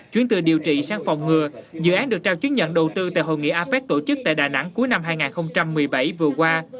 chuyển từ điều trị sang phòng ngừa dự án được trao chứng nhận đầu tư tại hội nghị apec tổ chức tại đà nẵng cuối năm hai nghìn một mươi bảy vừa qua